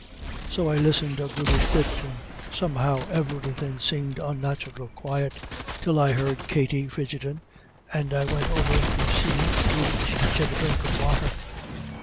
So I listened a goodish bit, and somehow everythin' seemed unnathural quiet, till I heard Katty fidgettin', and I went over to see would she take a dhrink of wather.